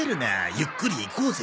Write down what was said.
ゆっくりいこうぜ。